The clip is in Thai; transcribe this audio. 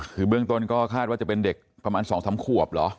คือเบื้องต้นก็คาดว่าจะเป็นเด็กประมาณ๒๓ขวบเหรอ